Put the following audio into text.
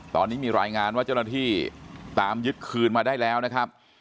ตอนนี้มีรายงานว่าเจ้าหน้าที่ตามยึดคืนมาได้แล้วนะครับ